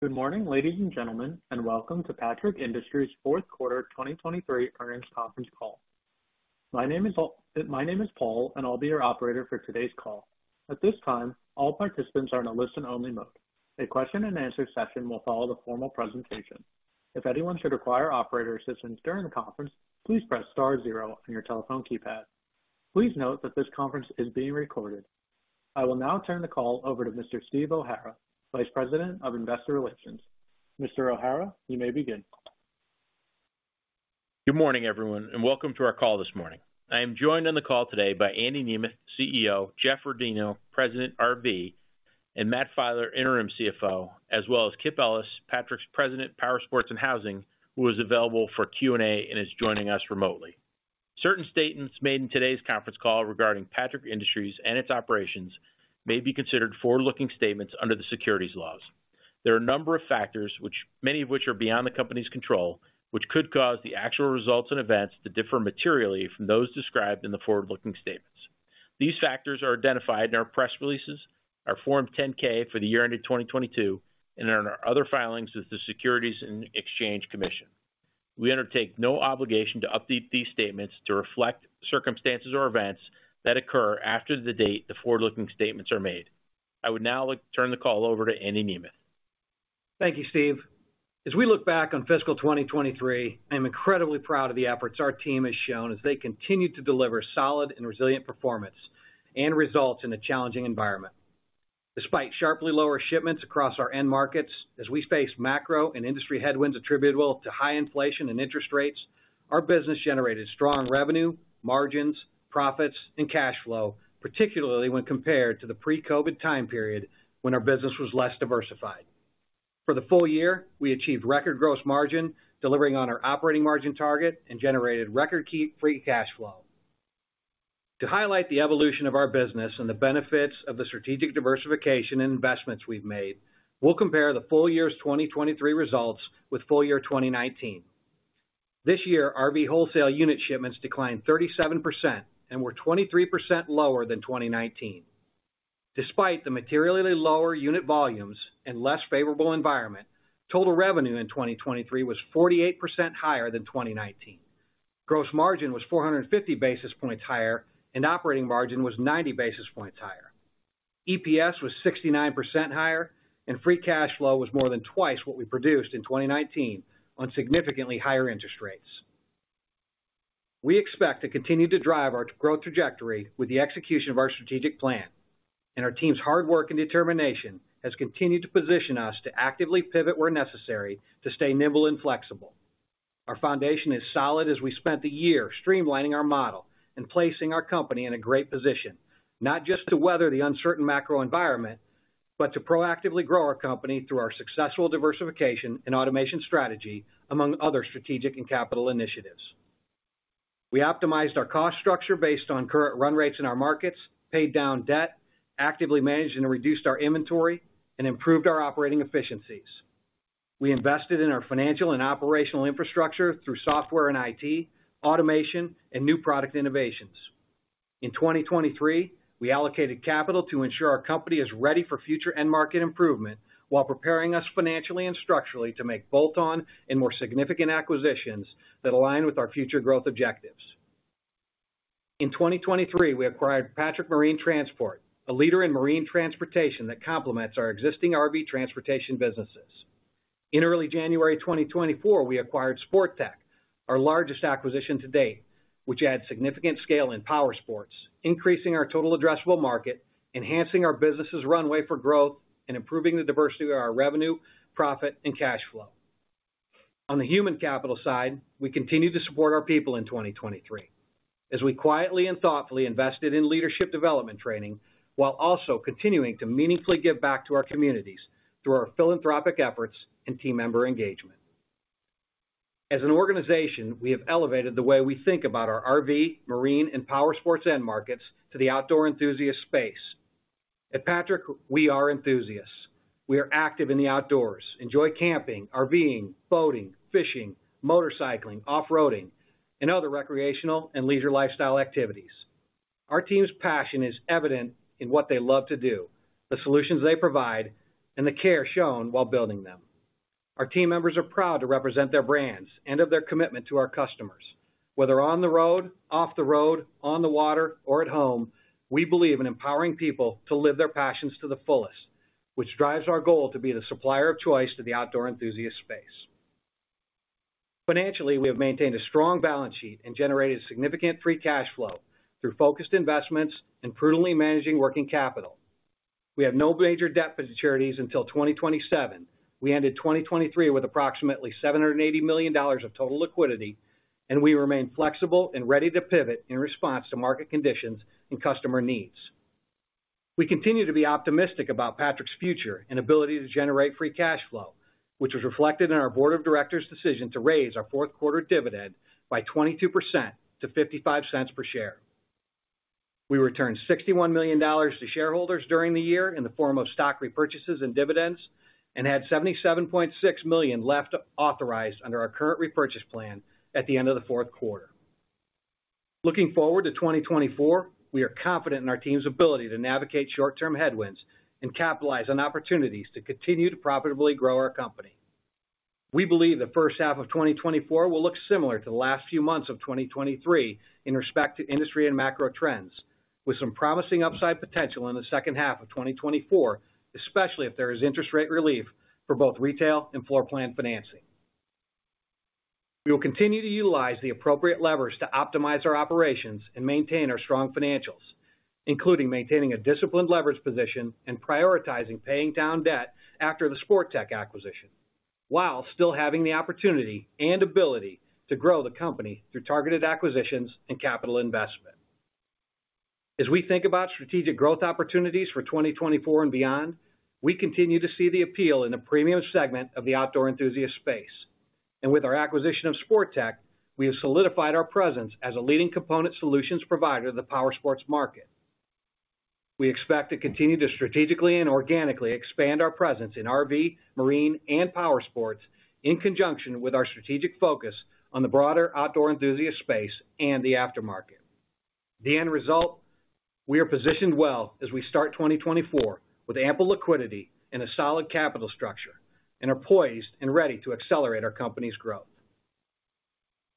Good morning, ladies and gentlemen, and welcome to Patrick Industries' fourth quarter 2023 earnings conference call. My name is Paul, and I'll be your operator for today's call. At this time, all participants are in a listen-only mode. A question and answer session will follow the formal presentation. If anyone should require operator assistance during the conference, please press star zero on your telephone keypad. Please note that this conference is being recorded. I will now turn the call over to Mr. Steve O'Hara, Vice President of Investor Relations. Mr. O'Hara, you may begin. Good morning, everyone, and welcome to our call this morning. I am joined on the call today by Andy Nemeth, CEO, Jeff Rodino, President, RV, and Matt Filer, Interim CFO, as well as Kip Ellis, Patrick's President, Powersports and Housing, who is available for Q&A and is joining us remotely. Certain statements made in today's conference call regarding Patrick Industries and its operations may be considered forward-looking statements under the securities laws. There are a number of factors, which many of which are beyond the company's control, which could cause the actual results and events to differ materially from those described in the forward-looking statements. These factors are identified in our press releases, our Form 10-K for the year ended 2022, and in our other filings with the Securities and Exchange Commission. We undertake no obligation to update these statements to reflect circumstances or events that occur after the date the forward-looking statements are made. I would now like to turn the call over to Andy Nemeth. Thank you, Steve. As we look back on fiscal 2023, I am incredibly proud of the efforts our team has shown as they continue to deliver solid and resilient performance and results in a challenging environment. Despite sharply lower shipments across our end markets, as we face macro and industry headwinds attributable to high inflation and interest rates, our business generated strong revenue, margins, profits and cash flow, particularly when compared to the pre-COVID time period when our business was less diversified. For the full year, we achieved record gross margin, delivering on our operating margin target, and generated record free cash flow. To highlight the evolution of our business and the benefits of the strategic diversification and investments we've made, we'll compare the full year 2023 results with full year 2019. This year, RV wholesale unit shipments declined 37% and were 23% lower than 2019. Despite the materially lower unit volumes and less favorable environment, total revenue in 2023 was 48% higher than 2019. Gross margin was 450 basis points higher, and operating margin was 90 basis points higher. EPS was 69% higher, and free cash flow was more than twice what we produced in 2019 on significantly higher interest rates. We expect to continue to drive our growth trajectory with the execution of our strategic plan, and our team's hard work and determination has continued to position us to actively pivot where necessary, to stay nimble and flexible. Our foundation is solid as we spent the year streamlining our model and placing our company in a great position, not just to weather the uncertain macro environment, but to proactively grow our company through our successful diversification and automation strategy, among other strategic and capital initiatives. We optimized our cost structure based on current run rates in our markets, paid down debt, actively managed and reduced our inventory, and improved our operating efficiencies. We invested in our financial and operational infrastructure through software and IT, automation, and new product innovations. In 2023, we allocated capital to ensure our company is ready for future end market improvement, while preparing us financially and structurally to make bolt-on and more significant acquisitions that align with our future growth objectives. In 2023, we acquired Patrick Marine Transport, a leader in marine transportation that complements our existing RV transportation businesses. In early January 2024, we acquired Sportech, our largest acquisition to date, which adds significant scale in powersports, increasing our total addressable market, enhancing our business's runway for growth, and improving the diversity of our revenue, profit, and cash flow. On the human capital side, we continued to support our people in 2023, as we quietly and thoughtfully invested in leadership development training, while also continuing to meaningfully give back to our communities through our philanthropic efforts and team member engagement. As an organization, we have elevated the way we think about our RV, marine, and powersports end markets to the outdoor enthusiast space. At Patrick, we are enthusiasts. We are active in the outdoors, enjoy camping, RVing, boating, fishing, motorcycling, off-roading, and other recreational and leisure lifestyle activities. Our team's passion is evident in what they love to do, the solutions they provide, and the care shown while building them. Our team members are proud to represent their brands and of their commitment to our customers. Whether on the road, off the road, on the water, or at home, we believe in empowering people to live their passions to the fullest, which drives our goal to be the supplier of choice to the outdoor enthusiast space. Financially, we have maintained a strong balance sheet and generated significant free cash flow through focused investments and prudently managing working capital. We have no major debt maturities until 2027. We ended 2023 with approximately $780 million of total liquidity, and we remain flexible and ready to pivot in response to market conditions and customer needs. We continue to be optimistic about Patrick's future and ability to generate free cash flow, which was reflected in our board of directors' decision to raise our fourth quarter dividend by 22% to $0.55 per share. We returned $61 million to shareholders during the year in the form of stock repurchases and dividends, and had $77.6 million left authorized under our current repurchase plan at the end of the fourth quarter.... Looking forward to 2024, we are confident in our team's ability to navigate short-term headwinds and capitalize on opportunities to continue to profitably grow our company. We believe the first half of 2024 will look similar to the last few months of 2023 in respect to industry and macro trends, with some promising upside potential in the second half of 2024, especially if there is interest rate relief for both retail and floor plan financing. We will continue to utilize the appropriate levers to optimize our operations and maintain our strong financials, including maintaining a disciplined leverage position and prioritizing paying down debt after the Sportech acquisition, while still having the opportunity and ability to grow the company through targeted acquisitions and capital investment. As we think about strategic growth opportunities for 2024 and beyond, we continue to see the appeal in the premium segment of the outdoor enthusiast space. With our acquisition of Sportech, we have solidified our presence as a leading component solutions provider in the powersports market. We expect to continue to strategically and organically expand our presence in RV, marine, and powersports, in conjunction with our strategic focus on the broader outdoor enthusiast space and the aftermarket. The end result, we are positioned well as we start 2024 with ample liquidity and a solid capital structure, and are poised and ready to accelerate our company's growth.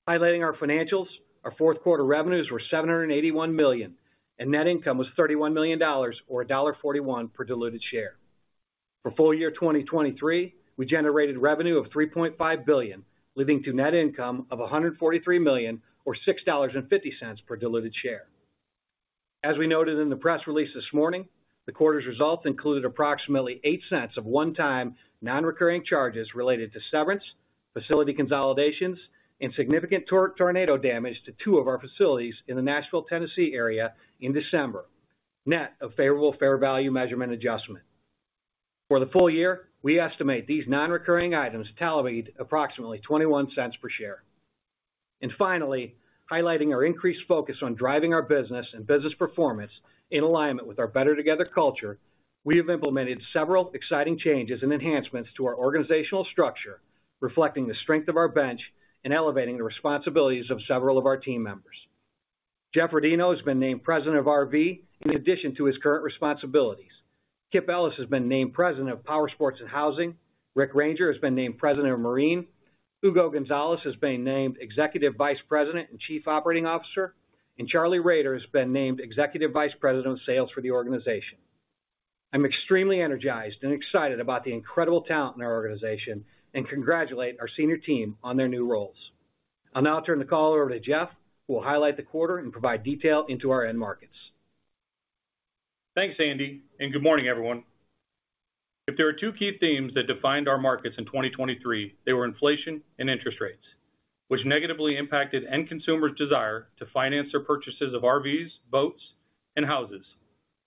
Highlighting our financials, our fourth quarter revenues were $781 million, and net income was $31 million, or $1.41 per diluted share. For full year 2023, we generated revenue of $3.5 billion, leading to net income of $143 million, or $6.50 per diluted share. As we noted in the press release this morning, the quarter's results included approximately $0.08 of one-time, non-recurring charges related to severance, facility consolidations, and significant tornado damage to two of our facilities in the Nashville, Tennessee area in December, net of favorable fair value measurement adjustment. For the full year, we estimate these non-recurring items tallied approximately $0.21 per share. And finally, highlighting our increased focus on driving our business and business performance in alignment with our Better Together culture, we have implemented several exciting changes and enhancements to our organizational structure, reflecting the strength of our bench and elevating the responsibilities of several of our team members. Jeff Rodino has been named President of RV, in addition to his current responsibilities. Kip Ellis has been named President of Powersports and Housing. Rick Reyenger has been named President of Marine. Hugo Gonzalez has been named Executive Vice President and Chief Operating Officer, and Charlie Roeder has been named Executive Vice President of Sales for the organization. I'm extremely energized and excited about the incredible talent in our organization, and congratulate our senior team on their new roles. I'll now turn the call over to Jeff, who will highlight the quarter and provide detail into our end markets. Thanks, Andy, and good morning, everyone. If there are two key themes that defined our markets in 2023, they were inflation and interest rates, which negatively impacted end consumers' desire to finance their purchases of RVs, boats, and houses,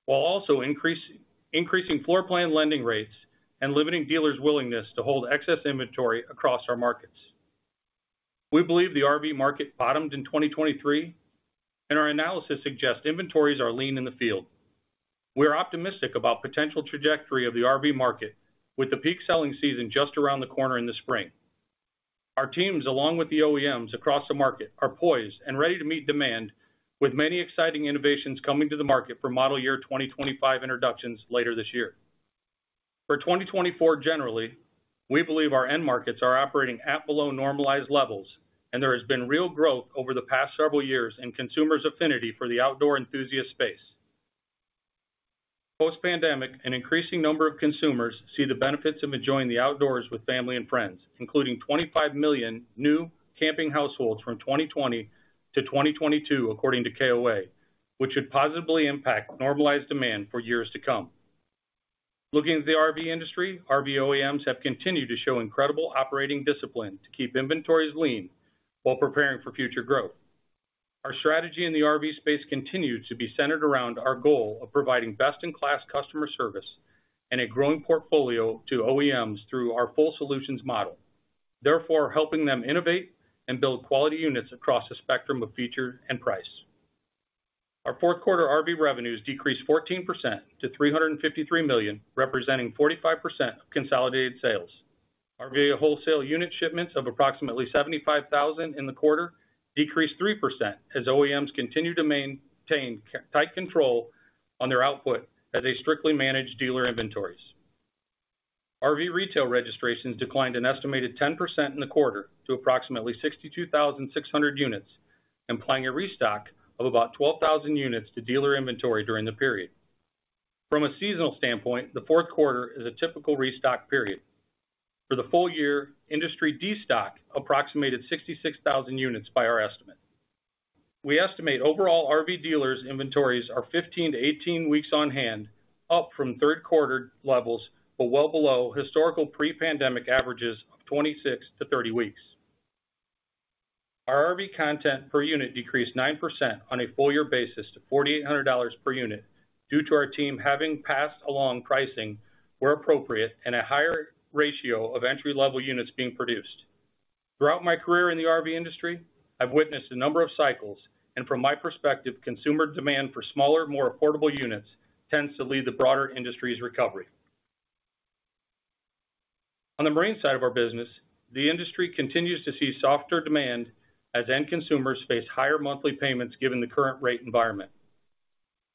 while also increasing floor plan lending rates and limiting dealers' willingness to hold excess inventory across our markets. We believe the RV market bottomed in 2023, and our analysis suggests inventories are lean in the field. We are optimistic about potential trajectory of the RV market, with the peak selling season just around the corner in the spring. Our teams, along with the OEMs across the market, are poised and ready to meet demand, with many exciting innovations coming to the market for model year 2025 introductions later this year. For 2024 generally, we believe our end markets are operating at below normalized levels, and there has been real growth over the past several years in consumers' affinity for the outdoor enthusiast space. Post-pandemic, an increasing number of consumers see the benefits of enjoying the outdoors with family and friends, including 25 million new camping households from 2020 to 2022, according to KOA, which should positively impact normalized demand for years to come. Looking at the RV industry, RV OEMs have continued to show incredible operating discipline to keep inventories lean while preparing for future growth. Our strategy in the RV space continues to be centered around our goal of providing best-in-class customer service and a growing portfolio to OEMs through our full solutions model, therefore helping them innovate and build quality units across a spectrum of features and price. Our fourth quarter RV revenues decreased 14% to $353 million, representing 45% of consolidated sales. RV wholesale unit shipments of approximately 75,000 in the quarter decreased 3%, as OEMs continued to maintain tight control on their output as they strictly managed dealer inventories. RV retail registrations declined an estimated 10% in the quarter to approximately 62,600 units, implying a restock of about 12,000 units to dealer inventory during the period. From a seasonal standpoint, the fourth quarter is a typical restock period. For the full year, industry destock approximated 66,000 units by our estimate. We estimate overall RV dealers' inventories are 15-18 weeks on hand, up from third quarter levels, but well below historical pre-pandemic averages of 26-30 weeks. Our RV content per unit decreased 9% on a full year basis to $4,800 per unit, due to our team having passed along pricing where appropriate, and a higher ratio of entry-level units being produced. Throughout my career in the RV industry, I've witnessed a number of cycles, and from my perspective, consumer demand for smaller, more affordable units tends to lead the broader industry's recovery. On the marine side of our business, the industry continues to see softer demand as end consumers face higher monthly payments, given the current rate environment.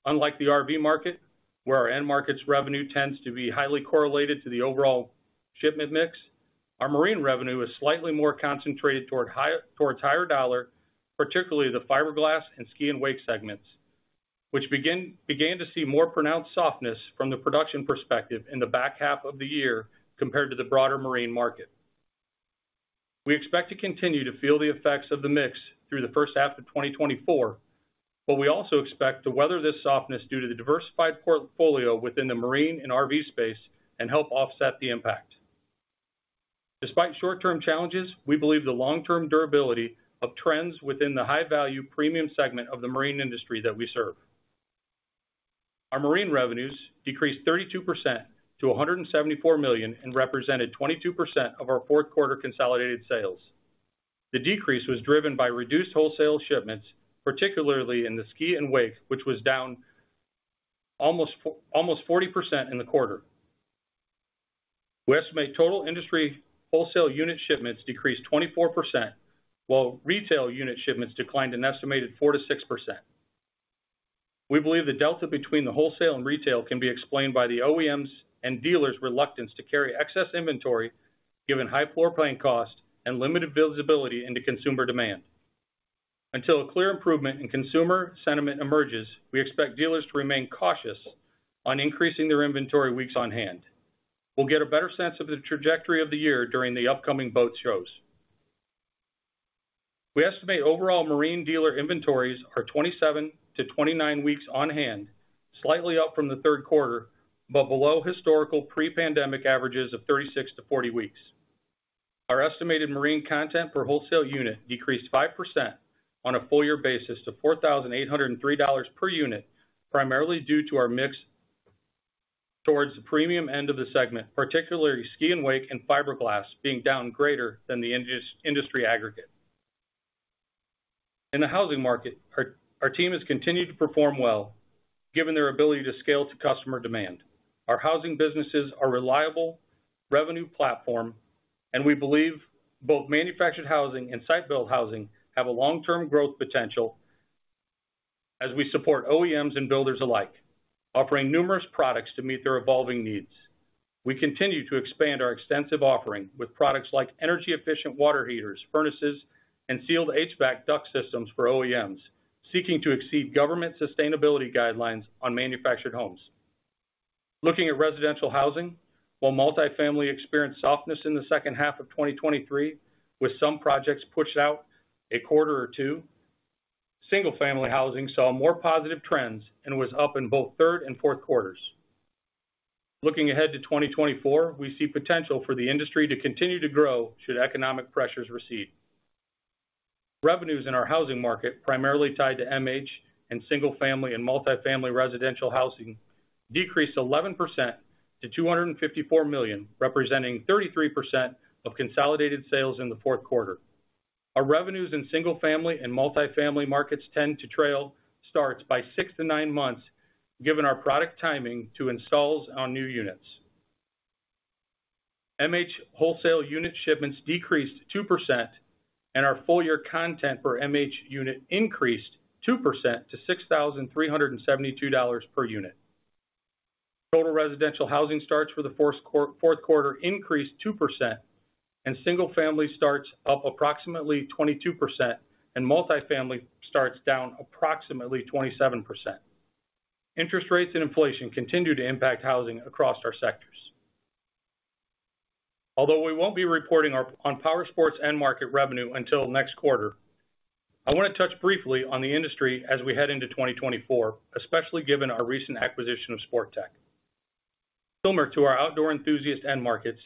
Unlike the RV market, where our end markets revenue tends to be highly correlated to the overall shipment mix, our marine revenue is slightly more concentrated towards higher dollar, particularly the fiberglass and ski and wake segments, which began to see more pronounced softness from the production perspective in the back half of the year compared to the broader marine market. We expect to continue to feel the effects of the mix through the first half of 2024, but we also expect to weather this softness due to the diversified portfolio within the marine and RV space and help offset the impact. Despite short-term challenges, we believe the long-term durability of trends within the high-value premium segment of the marine industry that we serve. Our marine revenues decreased 32% to $174 million and represented 22% of our fourth quarter consolidated sales. The decrease was driven by reduced wholesale shipments, particularly in the ski and wake, which was down almost 40% in the quarter. We estimate total industry wholesale unit shipments decreased 24%, while retail unit shipments declined an estimated 4%-6%. We believe the delta between the wholesale and retail can be explained by the OEMs and dealers' reluctance to carry excess inventory, given high floor plan costs and limited visibility into consumer demand. Until a clear improvement in consumer sentiment emerges, we expect dealers to remain cautious on increasing their inventory weeks on hand. We'll get a better sense of the trajectory of the year during the upcoming boat shows. We estimate overall marine dealer inventories are 27-29 weeks on hand, slightly up from the third quarter, but below historical pre-pandemic averages of 36-40 weeks. Our estimated marine content per wholesale unit decreased 5% on a full year basis to $4,803 per unit, primarily due to our mix towards the premium end of the segment, particularly ski and wake and Fiberglass being down greater than the industry aggregate. In the housing market, our team has continued to perform well, given their ability to scale to customer demand. Our housing businesses are a reliable revenue platform, and we believe both manufactured housing and site-built housing have a long-term growth potential as we support OEMs and builders alike, offering numerous products to meet their evolving needs. We continue to expand our extensive offering with products like energy-efficient water heaters, furnaces, and sealed HVAC duct systems for OEMs, seeking to exceed government sustainability guidelines on manufactured homes. Looking at residential housing, while multifamily experienced softness in the second half of 2023, with some projects pushed out a quarter or two, single-family housing saw more positive trends and was up in both third and fourth quarters. Looking ahead to 2024, we see potential for the industry to continue to grow should economic pressures recede. Revenues in our housing market, primarily tied to MH and single-family and multifamily residential housing, decreased 11% to $254 million, representing 33% of consolidated sales in the fourth quarter. Our revenues in single-family and multifamily markets tend to trail starts by 6-9 months, given our product timing to installs on new units. MH wholesale unit shipments decreased 2%, and our full-year content per MH unit increased 2% to $6,372 per unit. Total residential housing starts for the fourth quarter increased 2%, and single-family starts up approximately 22%, and multifamily starts down approximately 27%. Interest rates and inflation continue to impact housing across our sectors. Although we won't be reporting on our powersports end market revenue until next quarter, I want to touch briefly on the industry as we head into 2024, especially given our recent acquisition of Sportech. Similar to our outdoor enthusiast end markets,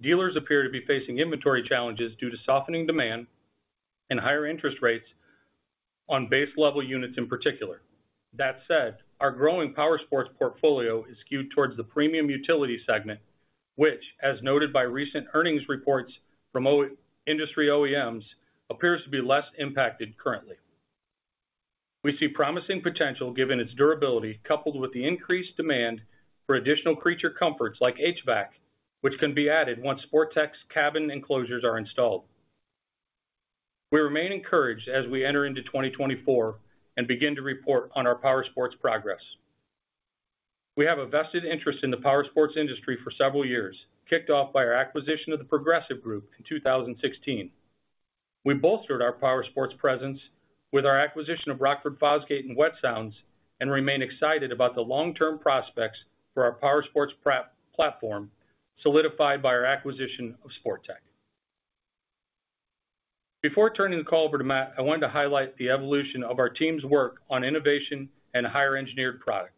dealers appear to be facing inventory challenges due to softening demand and higher interest rates on base-level units in particular. That said, our growing powersports portfolio is skewed towards the premium utility segment, which, as noted by recent earnings reports from our industry OEMs, appears to be less impacted currently. We see promising potential given its durability, coupled with the increased demand for additional creature comforts like HVAC, which can be added once Sportech's cabin enclosures are installed. We remain encouraged as we enter into 2024 and begin to report on our powersports progress. We have a vested interest in the powersports industry for several years, kicked off by our acquisition of the Progressive Group in 2016. We bolstered our powersports presence with our acquisition of Rockford Fosgate and Wet Sounds, and remain excited about the long-term prospects for our powersports platform, solidified by our acquisition of Sportech. Before turning the call over to Matt, I wanted to highlight the evolution of our team's work on innovation and higher engineered product.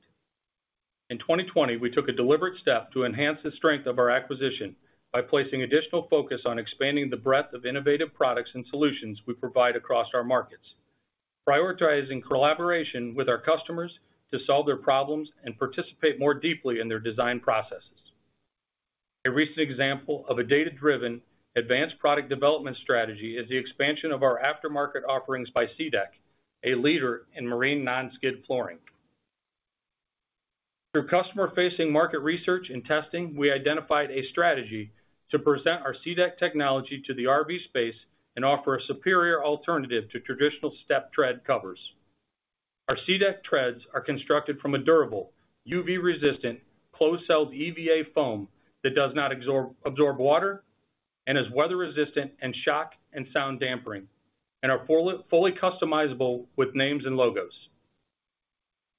In 2020, we took a deliberate step to enhance the strength of our acquisition by placing additional focus on expanding the breadth of innovative products and solutions we provide across our markets, prioritizing collaboration with our customers to solve their problems and participate more deeply in their design processes. A recent example of a data-driven advanced product development strategy is the expansion of our aftermarket offerings by SeaDek, a leader in marine non-skid flooring.... Through customer-facing market research and testing, we identified a strategy to present our SeaDek technology to the RV space and offer a superior alternative to traditional step tread covers. Our SeaDek treads are constructed from a durable, UV-resistant, closed-cell EVA foam that does not absorb water and is weather-resistant and shock and sound dampening, and are fully customizable with names and logos.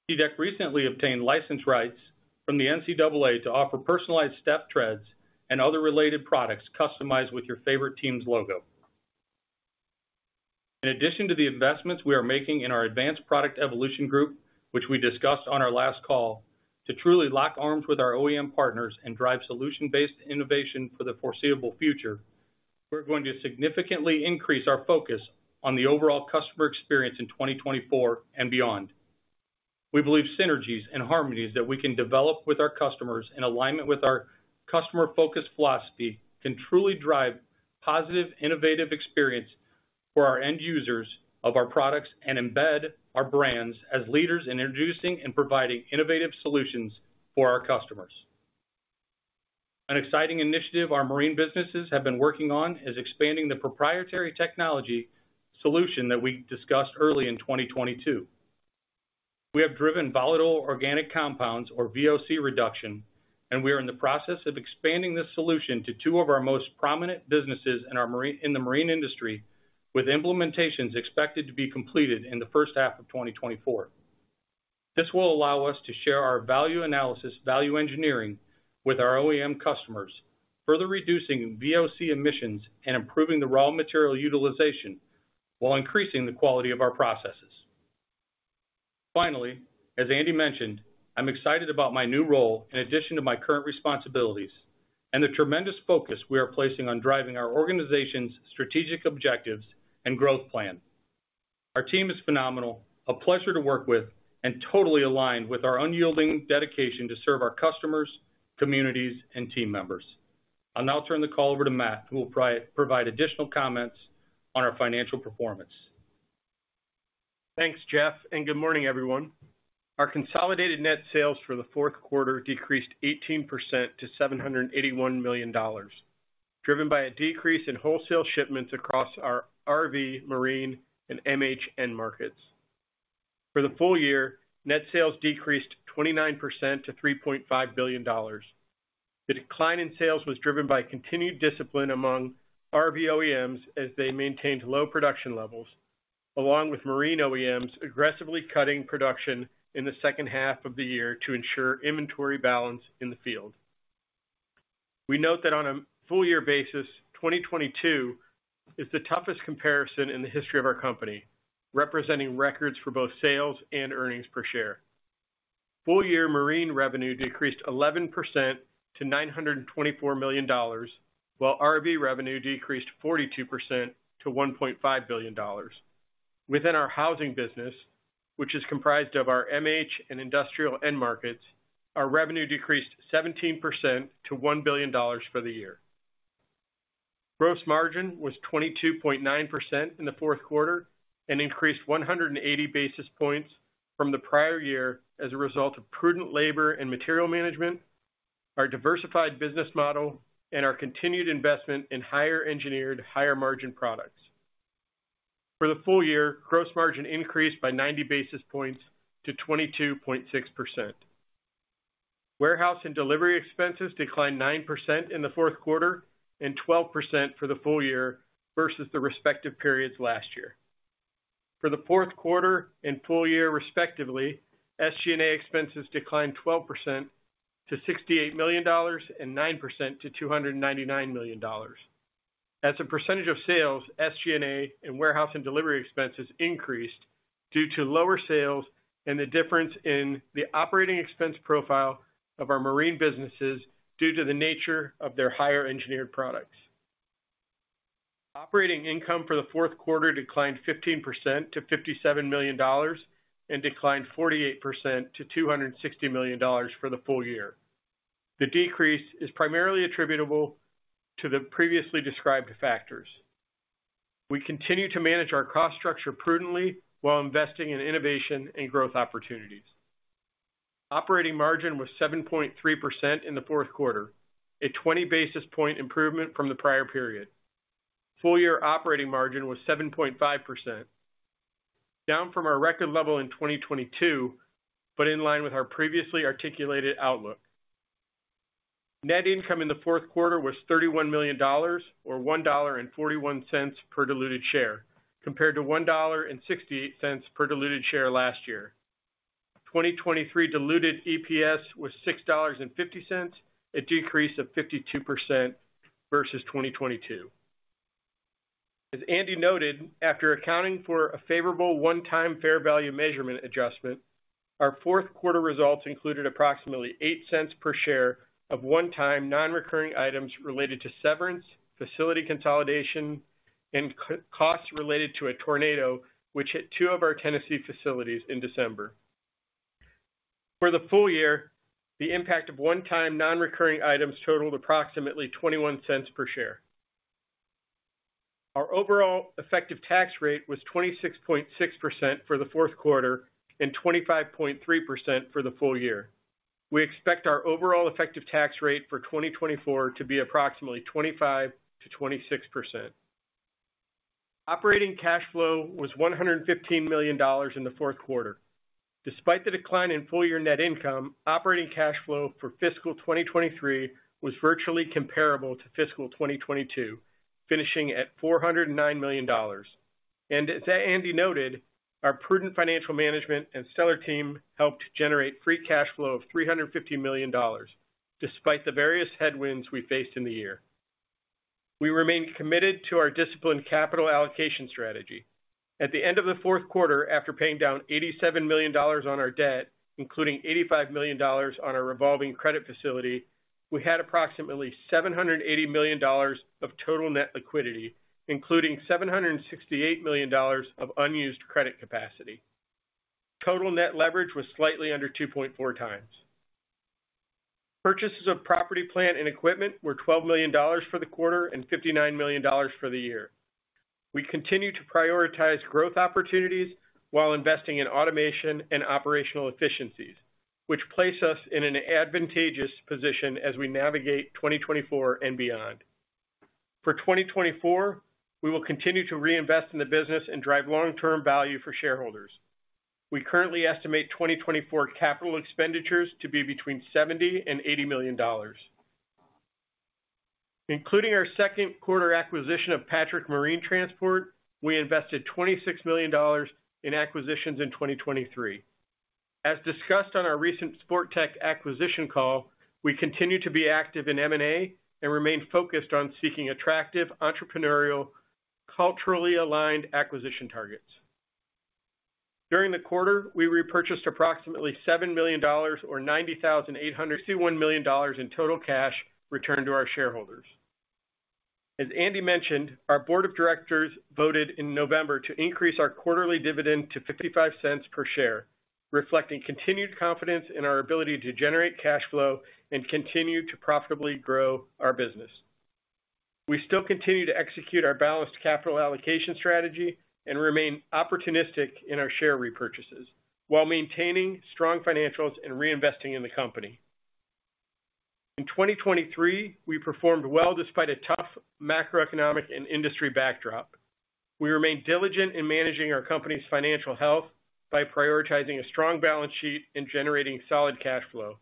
SeaDek recently obtained license rights from the NCAA to offer personalized step treads and other related products customized with your favorite team's logo. In addition to the investments we are making in our advanced product evolution group, which we discussed on our last call, to truly lock arms with our OEM partners and drive solution-based innovation for the foreseeable future, we're going to significantly increase our focus on the overall customer experience in 2024 and beyond. We believe synergies and harmonies that we can develop with our customers in alignment with our customer-focused philosophy, can truly drive positive, innovative experience for our end users of our products and embed our brands as leaders in introducing and providing innovative solutions for our customers. An exciting initiative our marine businesses have been working on, is expanding the proprietary technology solution that we discussed early in 2022. We have driven volatile organic compounds, or VOC, reduction, and we are in the process of expanding this solution to two of our most prominent businesses in our marine industry, with implementations expected to be completed in the first half of 2024. This will allow us to share our value analysis, value engineering with our OEM customers, further reducing VOC emissions and improving the raw material utilization, while increasing the quality of our processes. Finally, as Andy mentioned, I'm excited about my new role in addition to my current responsibilities, and the tremendous focus we are placing on driving our organization's strategic objectives and growth plan. Our team is phenomenal, a pleasure to work with, and totally aligned with our unyielding dedication to serve our customers, communities, and team members. I'll now turn the call over to Matt, who will provide additional comments on our financial performance. Thanks, Jeff, and good morning, everyone. Our consolidated net sales for the fourth quarter decreased 18% to $781 million, driven by a decrease in wholesale shipments across our RV, marine, and MH end markets. For the full year, net sales decreased 29% to $3.5 billion. The decline in sales was driven by continued discipline among RV OEMs as they maintained low production levels, along with marine OEMs aggressively cutting production in the second half of the year to ensure inventory balance in the field. We note that on a full year basis, 2022 is the toughest comparison in the history of our company, representing records for both sales and earnings per share. Full year marine revenue decreased 11% to $924 million, while RV revenue decreased 42% to $1.5 billion. Within our housing business, which is comprised of our MH and industrial end markets, our revenue decreased 17% to $1 billion for the year. Gross margin was 22.9% in the fourth quarter and increased 180 basis points from the prior year as a result of prudent labor and material management, our diversified business model, and our continued investment in higher engineered, higher margin products. For the full year, gross margin increased by 90 basis points to 22.6%. Warehouse and delivery expenses declined 9% in the fourth quarter and 12% for the full year versus the respective periods last year. For the fourth quarter and full year respectively, SG&A expenses declined 12% to $68 million, and 9% to $299 million. As a percentage of sales, SG&A and warehouse and delivery expenses increased due to lower sales and the difference in the operating expense profile of our marine businesses due to the nature of their higher engineered products. Operating income for the fourth quarter declined 15% to $57 million and declined 48% to $260 million for the full year. The decrease is primarily attributable to the previously described factors. We continue to manage our cost structure prudently while investing in innovation and growth opportunities. Operating margin was 7.3% in the fourth quarter, a 20 basis point improvement from the prior period. Full year operating margin was 7.5%, down from our record level in 2022, but in line with our previously articulated outlook. Net income in the fourth quarter was $31 million, or $1.41 per diluted share, compared to $1.68 per diluted share last year. 2023 diluted EPS was $6.50, a decrease of 52% versus 2022. As Andy noted, after accounting for a favorable one-time fair value measurement adjustment, our fourth quarter results included approximately $0.08 per share of one-time, non-recurring items related to severance, facility consolidation, and costs related to a tornado which hit two of our Tennessee facilities in December. For the full year, the impact of one-time, non-recurring items totaled approximately $0.21 per share.... Our overall effective tax rate was 26.6% for the fourth quarter and 25.3% for the full year. We expect our overall effective tax rate for 2024 to be approximately 25%-26%. Operating cash flow was $115 million in the fourth quarter. Despite the decline in full-year net income, operating cash flow for fiscal 2023 was virtually comparable to fiscal 2022, finishing at $409 million. As Andy noted, our prudent financial management and seller team helped generate free cash flow of $350 million, despite the various headwinds we faced in the year. We remain committed to our disciplined capital allocation strategy. At the end of the fourth quarter, after paying down $87 million on our debt, including $85 million on our revolving credit facility, we had approximately $780 million of total net liquidity, including $768 million of unused credit capacity. Total net leverage was slightly under 2.4 times. Purchases of property, plant, and equipment were $12 million for the quarter and $59 million for the year. We continue to prioritize growth opportunities while investing in automation and operational efficiencies, which place us in an advantageous position as we navigate 2024 and beyond. For 2024, we will continue to reinvest in the business and drive long-term value for shareholders. We currently estimate 2024 capital expenditures to be between $70 million and $80 million. Including our second quarter acquisition of Patrick Marine Transport, we invested $26 million in acquisitions in 2023. As discussed on our recent Sportech acquisition call, we continue to be active in M&A and remain focused on seeking attractive, entrepreneurial, culturally aligned acquisition targets. During the quarter, we repurchased approximately $7 million or 90,800—$2.1 million in total cash returned to our shareholders. As Andy mentioned, our board of directors voted in November to increase our quarterly dividend to $0.55 per share, reflecting continued confidence in our ability to generate cash flow and continue to profitably grow our business. We still continue to execute our balanced capital allocation strategy and remain opportunistic in our share repurchases while maintaining strong financials and reinvesting in the company. In 2023, we performed well despite a tough macroeconomic and industry backdrop. We remain diligent in managing our company's financial health by prioritizing a strong balance sheet and generating solid cash flow,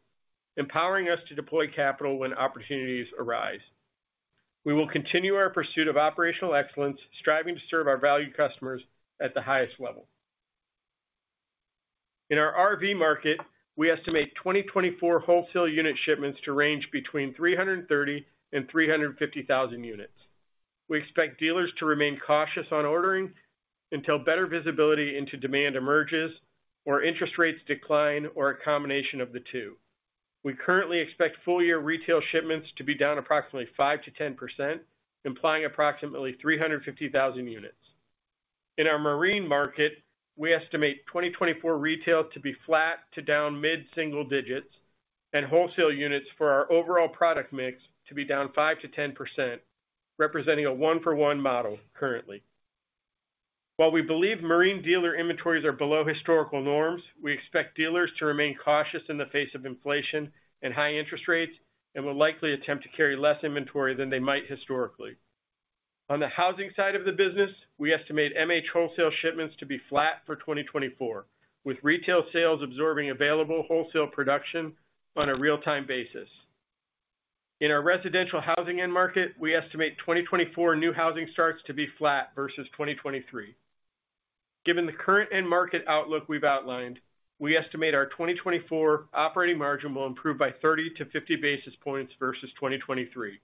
empowering us to deploy capital when opportunities arise. We will continue our pursuit of operational excellence, striving to serve our valued customers at the highest level. In our RV market, we estimate 2024 wholesale unit shipments to range between 330,000 and 350,000 units. We expect dealers to remain cautious on ordering until better visibility into demand emerges or interest rates decline, or a combination of the two. We currently expect full-year retail shipments to be down approximately 5%-10%, implying approximately 350,000 units. In our marine market, we estimate 2024 retail to be flat to down mid-single digits, and wholesale units for our overall product mix to be down 5%-10%, representing a one-for-one model currently. While we believe marine dealer inventories are below historical norms, we expect dealers to remain cautious in the face of inflation and high interest rates and will likely attempt to carry less inventory than they might historically. On the housing side of the business, we estimate MH wholesale shipments to be flat for 2024, with retail sales absorbing available wholesale production on a real-time basis. In our residential housing end market, we estimate 2024 new housing starts to be flat versus 2023. Given the current end market outlook we've outlined, we estimate our 2024 operating margin will improve by 30-50 basis points versus 2023.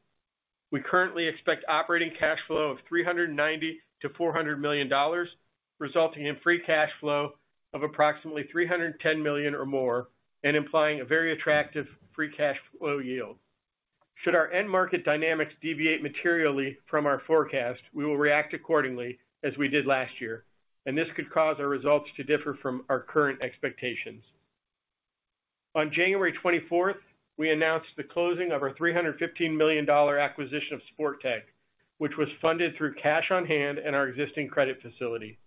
We currently expect operating cash flow of $390-$400 million, resulting in free cash flow of approximately $310 million or more, and implying a very attractive free cash flow yield. Should our end market dynamics deviate materially from our forecast, we will react accordingly as we did last year, and this could cause our results to differ from our current expectations. On January 24th, we announced the closing of our $315 million acquisition of Sportech, which was funded through cash on hand and our existing credit facility.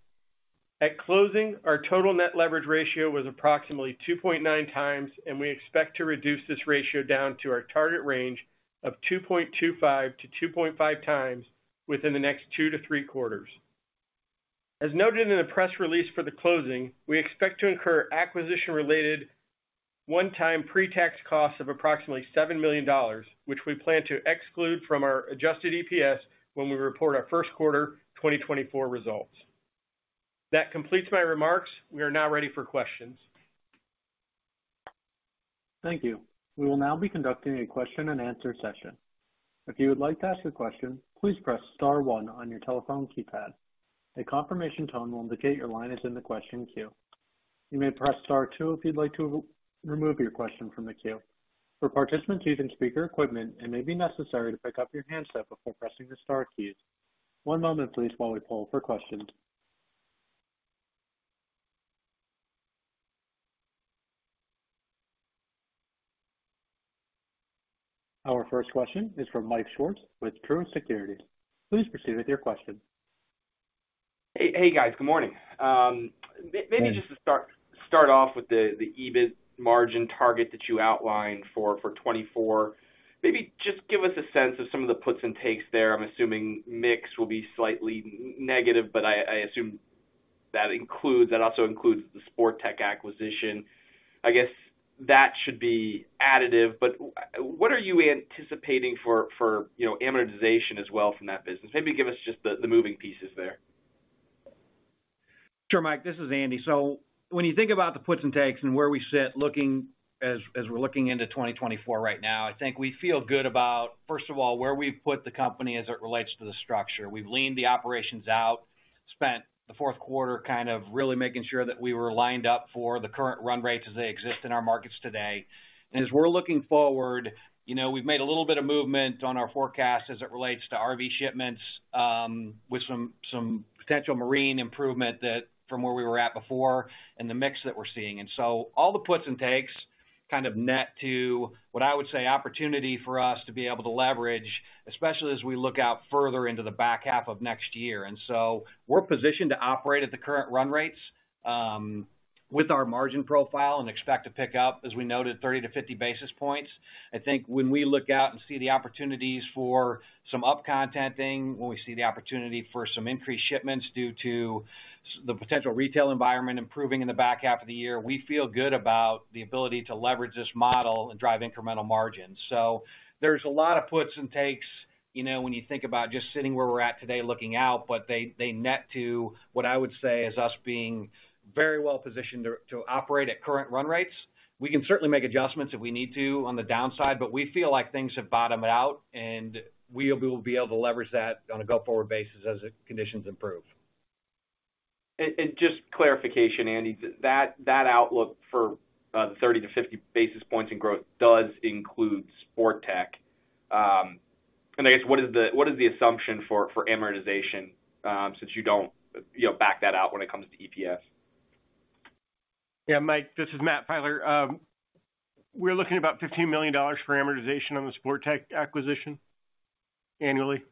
At closing, our total net leverage ratio was approximately 2.9 times, and we expect to reduce this ratio down to our target range of 2.25-2.5 times within the next two-three quarters. As noted in the press release for the closing, we expect to incur acquisition-related one-time pre-tax costs of approximately $7 million, which we plan to exclude from our adjusted EPS when we report our first quarter 2024 results. That completes my remarks. We are now ready for questions. Thank you. We will now be conducting a question-and-answer session. If you would like to ask a question, please press star one on your telephone keypad. A confirmation tone will indicate your line is in the question queue. You may press Star two if you'd like to, remove your question from the queue. For participants using speaker equipment, it may be necessary to pick up your handset before pressing the star keys. One moment, please, while we poll for questions. Our first question is from Mike Swartz with Truist Securities. Please proceed with your question. Hey, hey, guys, good morning. Maybe just to start off with the EBIT margin target that you outlined for 2024. Maybe just give us a sense of some of the puts and takes there. I'm assuming mix will be slightly negative, but I assume that includes that also includes the Sportech acquisition. I guess that should be additive, but what are you anticipating for, you know, amortization as well from that business? Maybe give us just the moving pieces there. Sure, Mike, this is Andy. So when you think about the puts and takes and where we sit, looking as we're looking into 2024 right now, I think we feel good about, first of all, where we've put the company as it relates to the structure. We've leaned the operations out, spent the fourth quarter kind of really making sure that we were lined up for the current run rates as they exist in our markets today. And as we're looking forward, you know, we've made a little bit of movement on our forecast as it relates to RV shipments, with some potential marine improvement that from where we were at before and the mix that we're seeing. And so all the puts and takes kind of net to what I would say, opportunity for us to be able to leverage, especially as we look out further into the back half of next year. And so we're positioned to operate at the current run rates, with our margin profile and expect to pick up, as we noted, 30-50 basis points. I think when we look out and see the opportunities for some up-contenting, when we see the opportunity for some increased shipments due to the potential retail environment improving in the back half of the year, we feel good about the ability to leverage this model and drive incremental margins. So there's a lot of puts and takes, you know, when you think about just sitting where we're at today, looking out, but they, they net to what I would say is us being very well positioned to, to operate at current run rates. We can certainly make adjustments if we need to on the downside, but we feel like things have bottomed out, and we will be able to leverage that on a go-forward basis as the conditions improve. Just clarification, Andy, that outlook for the 30-50 basis points in growth does include Sportech. I guess, what is the assumption for amortization, since you don't, you know, back that out when it comes to EPS? Yeah, Mike, this is Matt Filer. We're looking at about $15 million for amortization on the Sportech acquisition annually.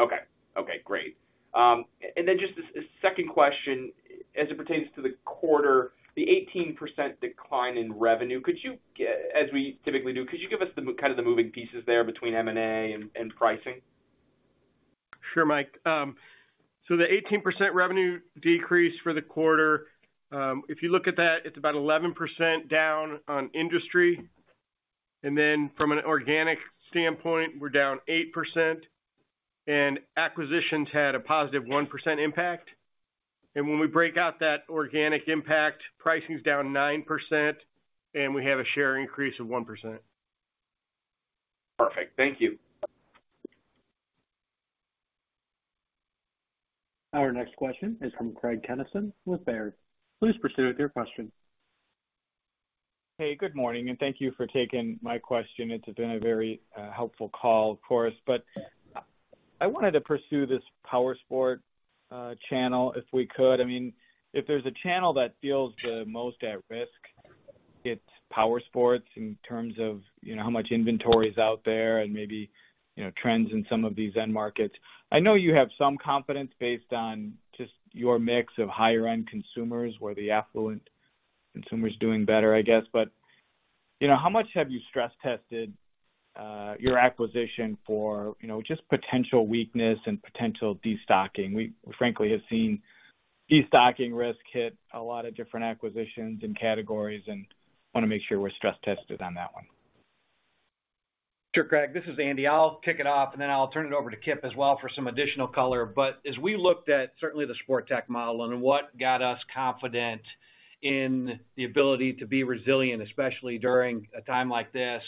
Okay. Okay, great. And then just a second question. As it pertains to the quarter, the 18% decline in revenue, could you, as we typically do, could you give us the kind of the moving pieces there between M&A and pricing? Sure, Mike. So the 18% revenue decrease for the quarter, if you look at that, it's about 11% down on industry. And then from an organic standpoint, we're down 8%, and acquisitions had a positive 1% impact. And when we break out that organic impact, pricing is down 9%, and we have a share increase of 1%. Perfect. Thank you. Our next question is from Craig Kennison with Baird. Please proceed with your question. Hey, good morning, and thank you for taking my question. It's been a very helpful call, of course. But I wanted to pursue this powersports channel, if we could. I mean, if there's a channel that feels the most at risk, it's powersports in terms of, you know, how much inventory is out there and maybe, you know, trends in some of these end markets. I know you have some confidence based on just your mix of higher-end consumers, where the affluent consumer is doing better, I guess. But, you know, how much have you stress-tested your acquisition for, you know, just potential weakness and potential destocking? We frankly have seen destocking risk hit a lot of different acquisitions and categories, and want to make sure we're stress-tested on that one. Sure, Craig, this is Andy. I'll kick it off, and then I'll turn it over to Kip as well for some additional color. But as we looked at certainly the Sportech model and what got us confident in the ability to be resilient, especially during a time like this,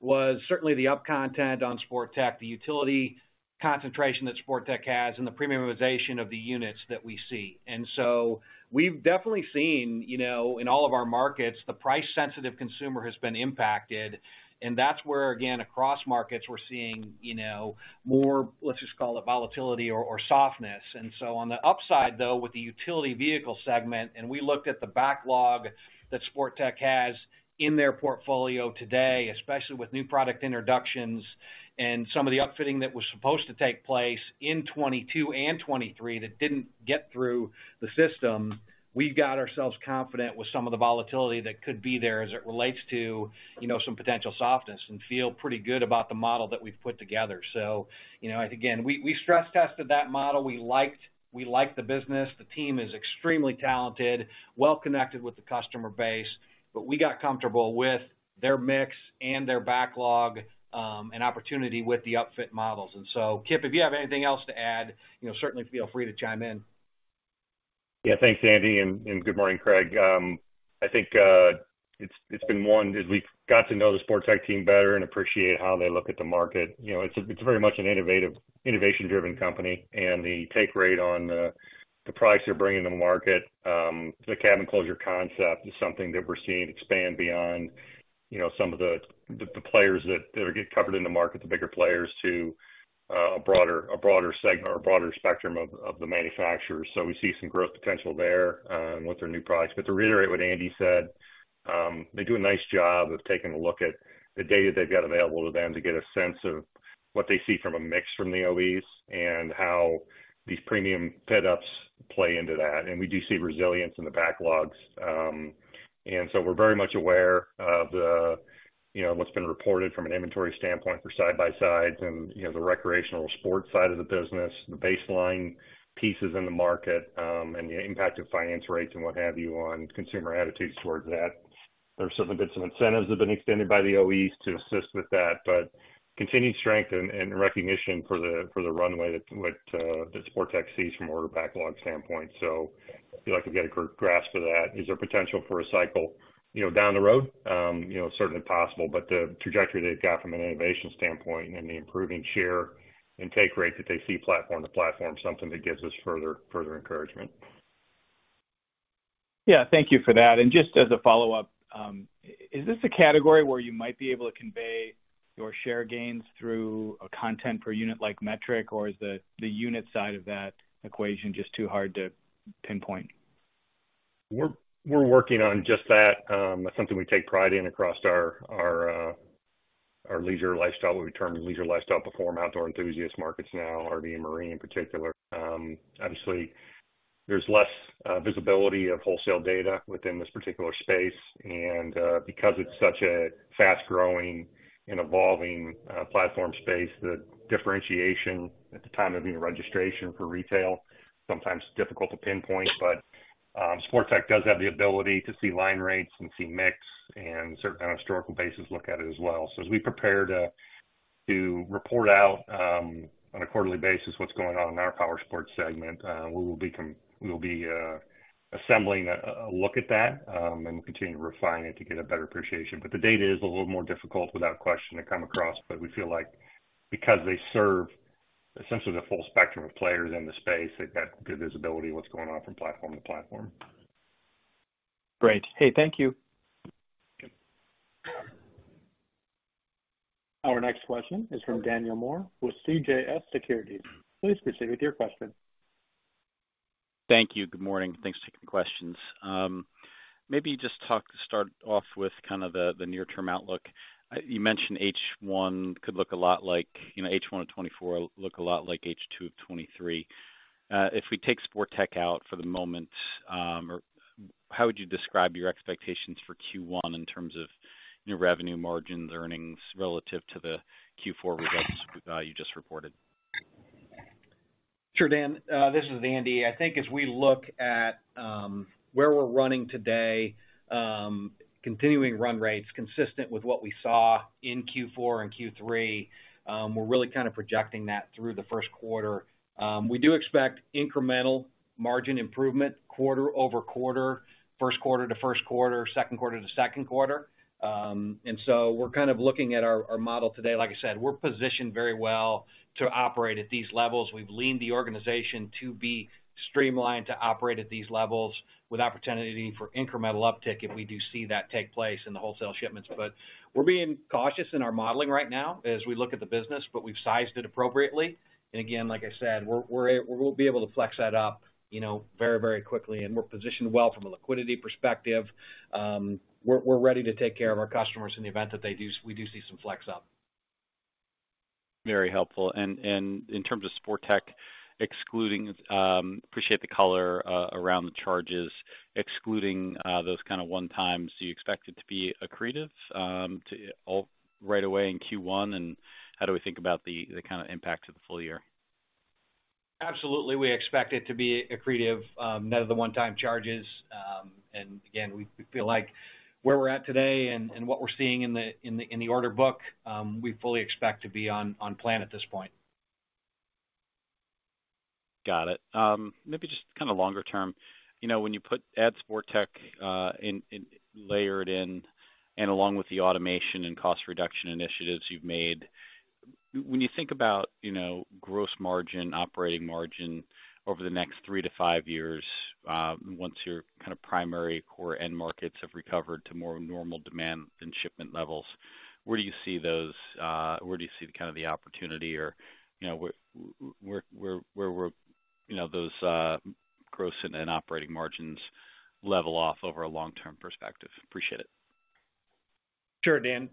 was certainly the up content on Sportech, the utility concentration that Sportech has, and the premiumization of the units that we see. And so we've definitely seen, you know, in all of our markets, the price-sensitive consumer has been impacted, and that's where, again, across markets, we're seeing, you know, more, let's just call it volatility or, or softness. And so on the upside, though, with the utility vehicle segment, and we looked at the backlog that Sportech has in their portfolio today, especially with new product introductions and some of the upfitting that was supposed to take place in 2022 and 2023, that didn't get through the system. We've got ourselves confident with some of the volatility that could be there as it relates to, you know, some potential softness and feel pretty good about the model that we've put together. So, you know, again, we, we stress-tested that model. We liked... We like the business. The team is extremely talented, well connected with the customer base, but we got comfortable with their mix and their backlog, and opportunity with the upfit models. And so Kip, if you have anything else to add, you know, certainly feel free to chime in. Yeah. Thanks, Andy, and good morning, Craig. I think it's been one, as we've got to know the Sportech team better and appreciate how they look at the market. You know, it's very much an innovative, innovation-driven company, and the take rate on the products they're bringing to the market, the cabin closure concept is something that we're seeing expand beyond, you know, some of the players that are get covered in the market, the bigger players, to a broader spectrum of the manufacturers. So we see some growth potential there with their new products. But to reiterate what Andy said, they do a nice job of taking a look at the data they've got available to them to get a sense of what they see from a mix from the OEMs and how these premium fit ups play into that, and we do see resilience in the backlogs. And so we're very much aware of the, you know, what's been reported from an inventory standpoint for side-by-sides and, you know, the powersports side of the business, the baseline pieces in the market, and the impact of finance rates and what have you on consumer attitudes towards that. There's certainly been some incentives have been extended by the OEMs to assist with that, but continued strength and, and recognition for the, for the runway that, that, that Sportech sees from order backlog standpoint. So feel like we've got a good grasp of that. Is there potential for a cycle, you know, down the road? You know, certainly possible, but the trajectory they've got from an innovation standpoint and the improving share and take rate that they see platform to platform, something that gives us further, further encouragement. Yeah. Thank you for that. And just as a follow-up, is this a category where you might be able to convey your share gains through a content per unit like metric, or is the unit side of that equation just too hard to pinpoint? We're working on just that. That's something we take pride in across our leisure lifestyle, what we term leisure lifestyle performance outdoor enthusiast markets now, RV and marine in particular. Obviously, there's less visibility of wholesale data within this particular space, and because it's such a fast-growing and evolving platform space, the differentiation at the time of the registration for retail sometimes difficult to pinpoint. But Sportech does have the ability to see line rates and see mix, and certainly on a historical basis, look at it as well. So as we prepare to report out on a quarterly basis what's going on in our powersports segment, we will be assembling a look at that, and we'll continue to refine it to get a better appreciation. But the data is a little more difficult without question to come across, but we feel like because they serve essentially the full spectrum of players in the space, they've got good visibility of what's going on from platform to platform. Great. Hey, thank you. Okay. Our next question is from Daniel Moore with CJS Securities. Please proceed with your question. Thank you. Good morning, thanks for taking the questions. Maybe just talk to start off with kind of the, the near-term outlook. You mentioned H1 could look a lot like, you know, H1 of 2024 look a lot like H2 of 2023. If we take Sportech out for the moment, or how would you describe your expectations for Q1 in terms of your revenue margins, earnings, relative to the Q4 results you just reported? Sure, Dan, this is Andy. I think as we look at where we're running today, continuing run rates consistent with what we saw in Q4 and Q3, we're really kind of projecting that through the first quarter. We do expect incremental margin improvement quarter-over-quarter, first quarter to first quarter, second quarter to second quarter. And so we're kind of looking at our, our model today. Like I said, we're positioned very well to operate at these levels. We've leaned the organization to be streamlined, to operate at these levels with opportunity for incremental uptick if we do see that take place in the wholesale shipments. But we're being cautious in our modeling right now as we look at the business, but we've sized it appropriately. Again, like I said, we'll be able to flex that up, you know, very, very quickly, and we're positioned well from a liquidity perspective. We're ready to take care of our customers in the event that we do see some flex up. Very helpful. And in terms of Sportech, excluding, appreciate the color around the charges, excluding those kind of one times, do you expect it to be accretive to all right away in Q1? And how do we think about the kind of impact to the full year? Absolutely, we expect it to be accretive, net of the one-time charges. And again, we feel like where we're at today and what we're seeing in the order book, we fully expect to be on plan at this point. Got it. Maybe just kind of longer term, you know, when you put add Sportech in layered in, and along with the automation and cost reduction initiatives you've made, when you think about, you know, gross margin, operating margin over the next three-five years, once your kind of primary core end markets have recovered to more normal demand and shipment levels, where do you see those, where do you see the kind of the opportunity or, you know, where those gross and operating margins level off over a long-term perspective? Appreciate it. Sure, Dan.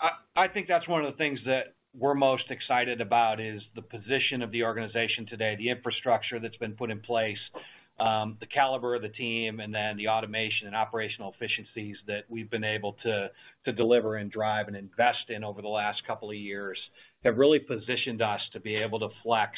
I, I think that's one of the things that we're most excited about is the position of the organization today, the infrastructure that's been put in place, the caliber of the team, and then the automation and operational efficiencies that we've been able to, to deliver and drive and invest in over the last couple of years, have really positioned us to be able to flex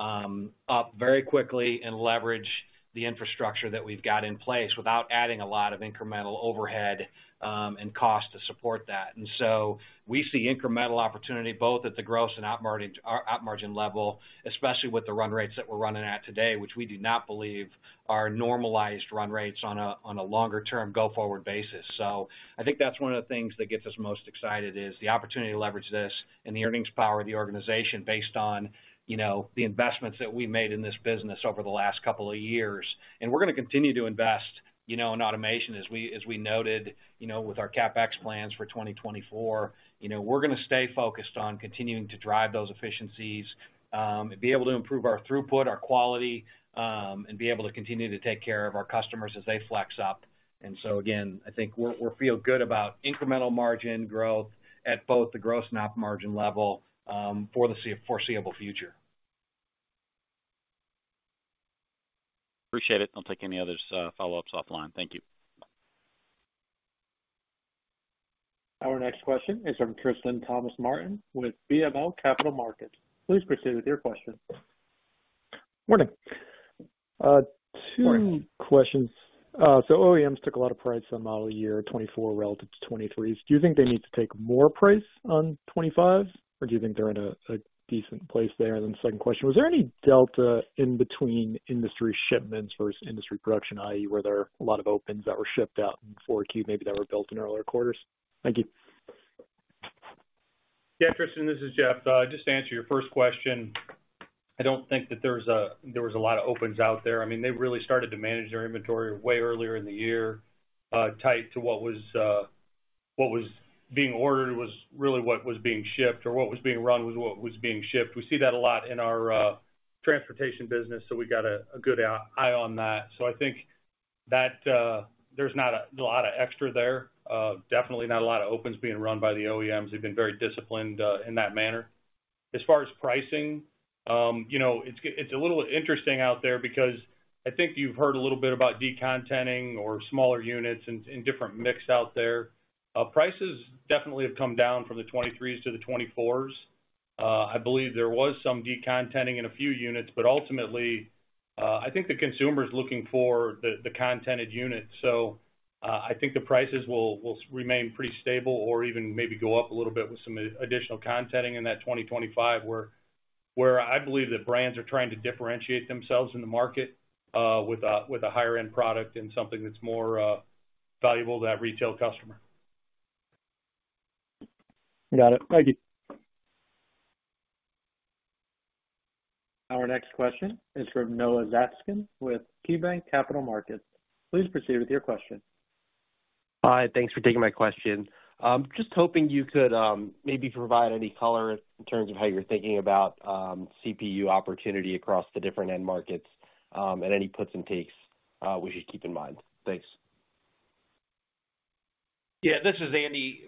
up very quickly and leverage the infrastructure that we've got in place without adding a lot of incremental overhead, and cost to support that. And so we see incremental opportunity both at the gross and op margin, op margin level, especially with the run rates that we're running at today, which we do not believe are normalized run rates on a, on a longer term go-forward basis. So I think that's one of the things that gets us most excited, is the opportunity to leverage this and the earnings power of the organization based on, you know, the investments that we've made in this business over the last couple of years. And we're gonna continue to invest, you know, in automation as we, as we noted, you know, with our CapEx plans for 2024. You know, we're gonna stay focused on continuing to drive those efficiencies, and be able to improve our throughput, our quality, and be able to continue to take care of our customers as they flex up. And so again, I think we're, we feel good about incremental margin growth at both the gross and OP margin level, for the foreseeable future. Appreciate it. I'll take any others, follow-ups offline. Thank you. Our next question is from Tristan Thomas-Martin with BMO Capital Markets. Please proceed with your question. Morning. Morning... questions. So OEMs took a lot of price on model year 2024 relative to 2023. Do you think they need to take more price on 2025, or do you think they're in a decent place there? And then the second question, was there any delta in between industry shipments versus industry production, i.e., were there a lot of opens that were shipped out in 4Q, maybe that were built in earlier quarters? Thank you. Yeah, Tristan, this is Jeff. Just to answer your first question, I don't think that there was a, there was a lot of opens out there. I mean, they really started to manage their inventory way earlier in the year, tied to what was, what was being ordered, was really what was being shipped, or what was being run, was what was being shipped. We see that a lot in our, transportation business, so we got a, a good, eye on that. So I think that, there's not a, a lot of extra there. Definitely not a lot of opens being run by the OEMs. They've been very disciplined, in that manner. As far as pricing, you know, it's a little interesting out there because I think you've heard a little bit about de-contenting or smaller units in different mix out there. Prices definitely have come down from the 2023s to the 2024s. I believe there was some de-contenting in a few units, but ultimately, I think the consumer is looking for the contented unit. So, I think the prices will remain pretty stable or even maybe go up a little bit with some additional contenting in that 2025, where I believe that brands are trying to differentiate themselves in the market with a higher-end product and something that's more valuable to that retail customer. Got it. Thank you. Our next question is from Noah Zatzkin, with KeyBanc Capital Markets. Please proceed with your question. Hi, thanks for taking my question. Just hoping you could maybe provide any color in terms of how you're thinking about CPU opportunity across the different end markets, and any puts and takes we should keep in mind. Thanks. Yeah, this is Andy.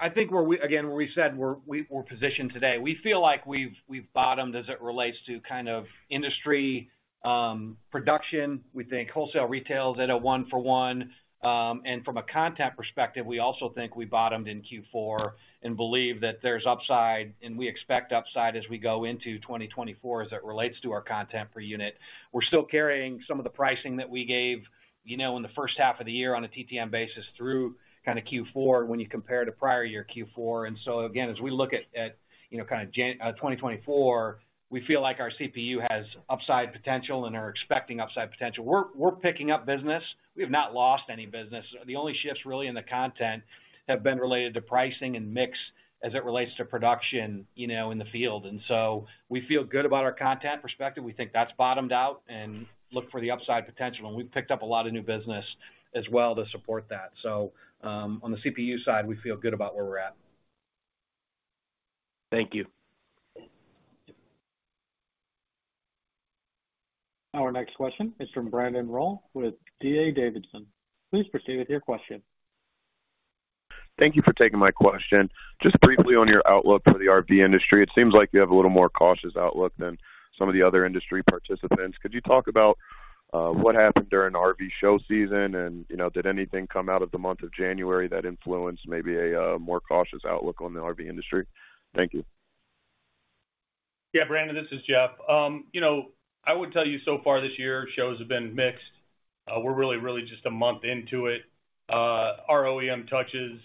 I think where we said again, we're positioned today. We feel like we've bottomed as it relates to kind of industry production. We think wholesale retail is at a 1-for-1. And from a content perspective, we also think we bottomed in Q4, and believe that there's upside, and we expect upside as we go into 2024, as it relates to our content per unit. We're still carrying some of the pricing that we gave, you know, in the first half of the year on a TTM basis through kind of Q4, when you compare to prior year Q4. And so again, as we look at, you know, kind of January 2024, we feel like our CPU has upside potential and are expecting upside potential. We're picking up business. We have not lost any business. The only shifts really in the content have been related to pricing and mix as it relates to production, you know, in the field. And so we feel good about our content perspective. We think that's bottomed out and look for the upside potential, and we've picked up a lot of new business as well to support that. So, on the CPU side, we feel good about where we're at. Thank you. Our next question is from Brandon Rolle with D.A. Davidson. Please proceed with your question. Thank you for taking my question. Just briefly on your outlook for the RV industry, it seems like you have a little more cautious outlook than some of the other industry participants. Could you talk about what happened during the RV show season? And, you know, did anything come out of the month of January that influenced maybe a more cautious outlook on the RV industry? Thank you. Yeah, Brandon, this is Jeff. You know, I would tell you so far this year, shows have been mixed. We're really, really just a month into it. Our OEM touches,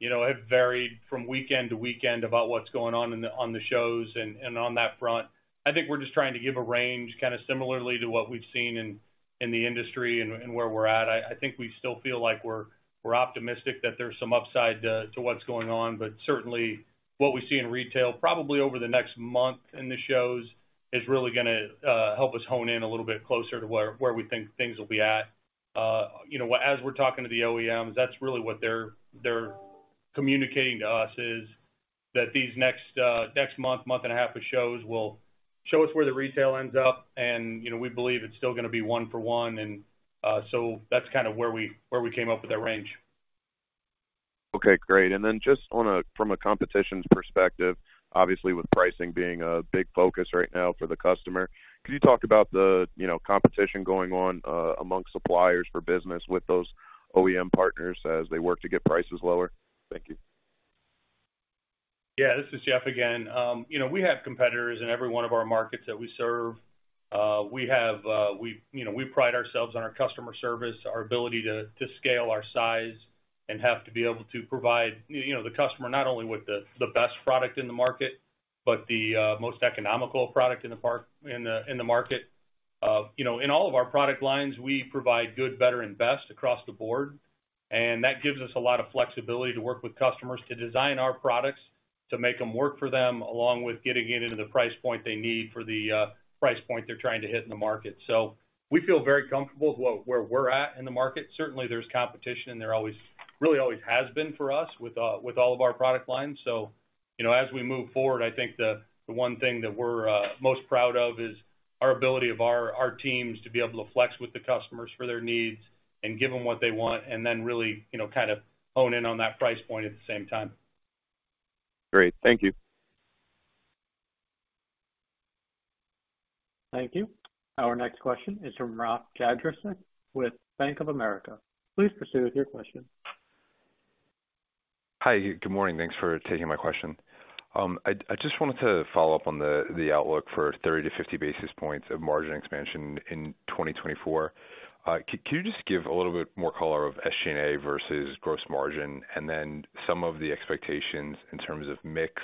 you know, have varied from weekend to weekend about what's going on on the shows and on that front. I think we're just trying to give a range, kind of similarly to what we've seen in the industry and where we're at. I think we still feel like we're optimistic that there's some upside to what's going on, but certainly what we see in retail, probably over the next month in the shows, is really gonna help us hone in a little bit closer to where we think things will be at. You know, as we're talking to the OEMs, that's really what they're communicating to us, is that these next month and a half of shows will show us where the retail ends up, and, you know, we believe it's still gonna be one for one. And so that's kind of where we came up with that range. Okay, great. And then just on, from a competition's perspective, obviously with pricing being a big focus right now for the customer, can you talk about the, you know, competition going on, among suppliers for business with those OEM partners as they work to get prices lower? Thank you. Yeah, this is Jeff again. You know, we have competitors in every one of our markets that we serve. You know, we pride ourselves on our customer service, our ability to scale our size, and have to be able to provide, you know, the customer not only with the best product in the market, but the most economical product in the market. You know, in all of our product lines, we provide good, better, and best across the board, and that gives us a lot of flexibility to work with customers to design our products, to make them work for them, along with getting it into the price point they need for the price point they're trying to hit in the market. So we feel very comfortable with what, where we're at in the market. Certainly, there's competition, and there always, really always has been for us with, with all of our product lines. So-... You know, as we move forward, I think the one thing that we're most proud of is our ability of our teams to be able to flex with the customers for their needs and give them what they want, and then really, you know, kind of hone in on that price point at the same time. Great. Thank you. Thank you. Our next question is from Rafe Jadrosich with Bank of America. Please proceed with your question. Hi, good morning. Thanks for taking my question. I just wanted to follow up on the outlook for 30-50 basis points of margin expansion in 2024. Can you just give a little bit more color of SG&A versus gross margin, and then some of the expectations in terms of mix,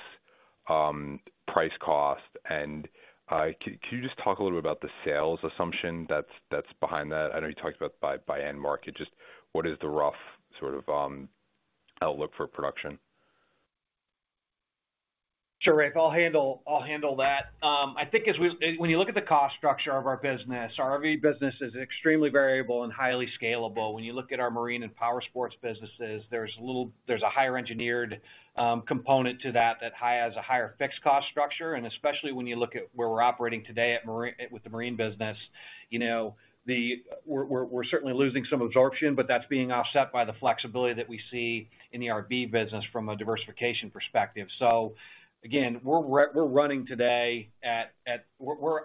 price, cost, and can you just talk a little bit about the sales assumption that's behind that? I know you talked about by end market, just what is the rough sort of outlook for production? Sure, Rob, I'll handle, I'll handle that. I think when you look at the cost structure of our business, our RV business is extremely variable and highly scalable. When you look at our marine and powersports businesses, there's a higher engineered component to that that has a higher fixed cost structure, and especially when you look at where we're operating today in the marine business, you know, we're certainly losing some absorption, but that's being offset by the flexibility that we see in the RV business from a diversification perspective. So again, we're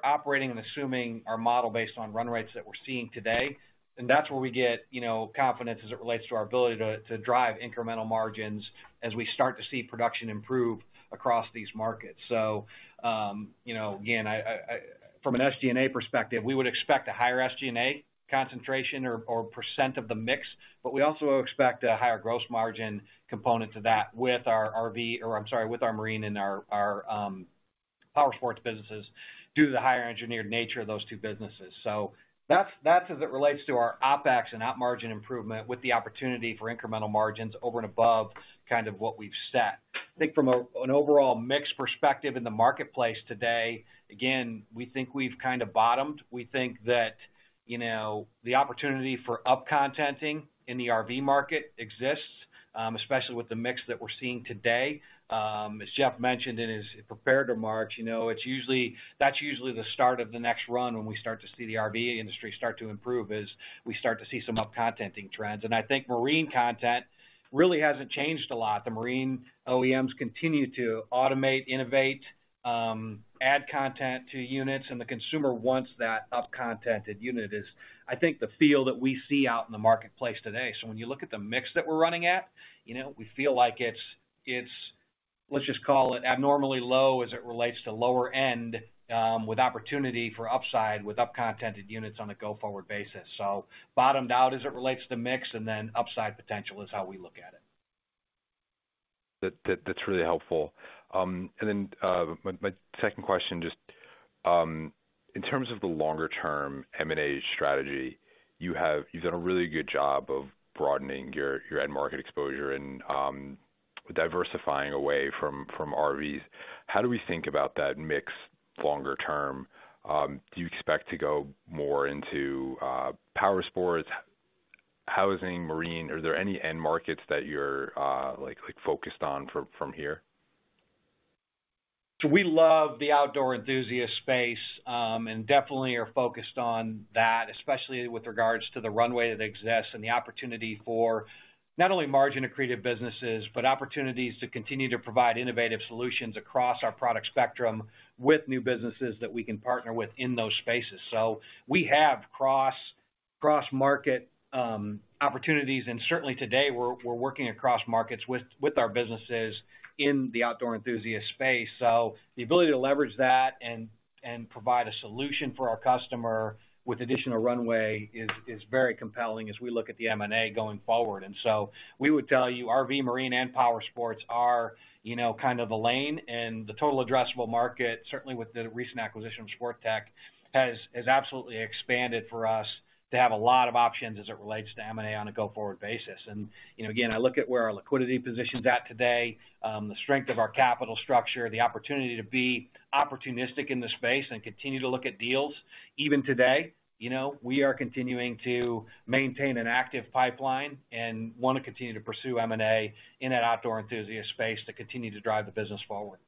operating and assuming our model based on run rates that we're seeing today, and that's where we get, you know, confidence as it relates to our ability to drive incremental margins as we start to see production improve across these markets. So, you know, again, I from an SG&A perspective, we would expect a higher SG&A concentration or percent of the mix, but we also expect a higher gross margin component to that with our RV, or I'm sorry, with our marine and our powersports businesses, due to the higher engineered nature of those two businesses. So that's as it relates to our OpEx and op margin improvement, with the opportunity for incremental margins over and above kind of what we've set. I think from an overall mix perspective in the marketplace today, again, we think we've kind of bottomed. We think that, you know, the opportunity for up-contenting in the RV market exists, especially with the mix that we're seeing today. As Jeff mentioned in his prepared remarks, you know, that's usually the start of the next run when we start to see the RV industry start to improve, is we start to see some up-contenting trends. And I think marine content really hasn't changed a lot. The marine OEMs continue to automate, innovate, add content to units, and the consumer wants that up-contented unit is, I think, the feel that we see out in the marketplace today. So when you look at the mix that we're running at, you know, we feel like it's, let's just call it abnormally low as it relates to lower end, with opportunity for upside, with up-contented units on a go-forward basis. So bottomed out as it relates to mix, and then upside potential is how we look at it. That's really helpful. And then, my second question, just, in terms of the longer-term M&A strategy, you've done a really good job of broadening your end market exposure and, diversifying away from RVs. How do we think about that mix longer term? Do you expect to go more into powersports, housing, marine? Are there any end markets that you're like focused on from here? So we love the outdoor enthusiast space, and definitely are focused on that, especially with regards to the runway that exists and the opportunity for not only margin-accretive businesses, but opportunities to continue to provide innovative solutions across our product spectrum with new businesses that we can partner with in those spaces. So we have cross-market opportunities, and certainly today, we're working across markets with our businesses in the outdoor enthusiast space. So the ability to leverage that and provide a solution for our customer with additional runway is very compelling as we look at the M&A going forward. We would tell you, RV, marine, and powersports are, you know, kind of the lane and the total addressable market, certainly with the recent acquisition of Sportech, has absolutely expanded for us to have a lot of options as it relates to M&A on a go-forward basis. And, you know, again, I look at where our liquidity position's at today, the strength of our capital structure, the opportunity to be opportunistic in the space and continue to look at deals. Even today, you know, we are continuing to maintain an active pipeline and want to continue to pursue M&A in that outdoor enthusiast space to continue to drive the business forward.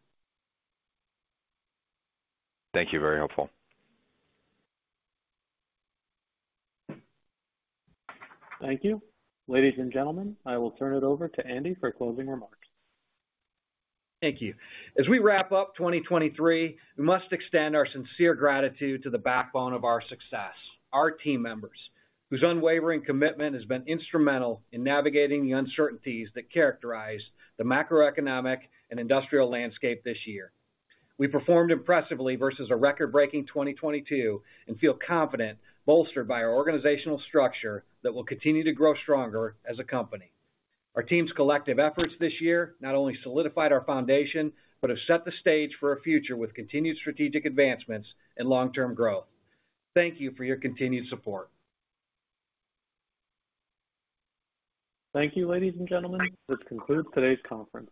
Thank you. Very helpful. Thank you. Ladies and gentlemen, I will turn it over to Andy for closing remarks. Thank you. As we wrap up 2023, we must extend our sincere gratitude to the backbone of our success, our team members, whose unwavering commitment has been instrumental in navigating the uncertainties that characterize the macroeconomic and industrial landscape this year. We performed impressively versus a record-breaking 2022, and feel confident, bolstered by our organizational structure, that we'll continue to grow stronger as a company. Our team's collective efforts this year not only solidified our foundation, but have set the stage for a future with continued strategic advancements and long-term growth. Thank you for your continued support. Thank you, ladies and gentlemen. This concludes today's conference.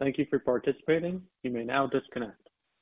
Thank you for participating. You may now disconnect.